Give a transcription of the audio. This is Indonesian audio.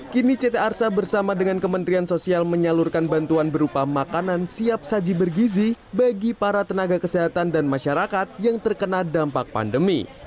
kini ct arsa bersama dengan kementerian sosial menyalurkan bantuan berupa makanan siap saji bergizi bagi para tenaga kesehatan dan masyarakat yang terkena dampak pandemi